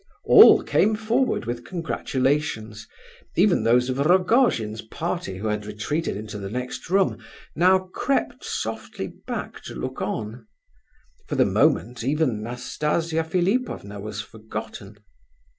All came forward with congratulations; even those of Rogojin's party who had retreated into the next room, now crept softly back to look on. For the moment even Nastasia Philipovna was forgotten.